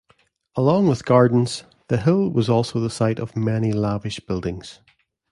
Along with gardens, the hill was also the site of many lavish buildings.